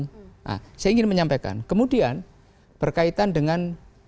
nah saya ingin menyampaikan kemudian berkaitan dengan